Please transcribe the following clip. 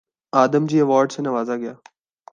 آدم جی award سے نوازا گیا